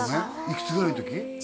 いくつぐらいの時？